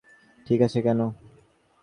ঠিক আছে, কেন?